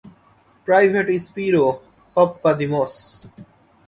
Private Spiro Pappadimos.